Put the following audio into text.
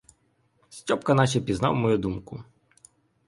Стьопка наче пізнав мою думку.